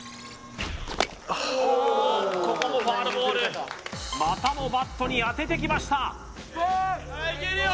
ここもファウルボールまたもバットに当ててきましたいけるよ！